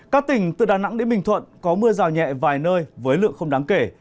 các tỉnh từ đà nẵng đến bình thuận có mưa rào nhẹ vài nơi với lượng không đáng kể